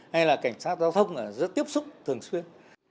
hay là cảnh sát giao thông rất tiếp xúc thường xuyên